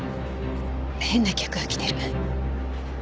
変な客が来てる。